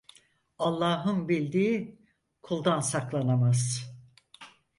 Allah'ın bildiği kuldan saklanamaz.